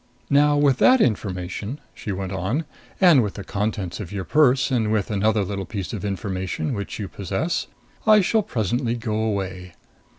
"Now with that information," she went on, "and with the contents of your purse and with another little piece of information, which you possess, I shall presently go away.